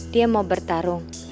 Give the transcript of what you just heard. dia mau bertarung